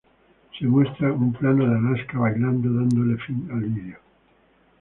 Se muestra un plano de Alaska bailando dándole fin al video.